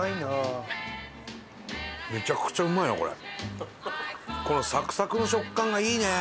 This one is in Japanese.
伊達：めちゃくちゃうまいなこれ。